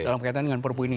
dalam kaitan dengan perpu ini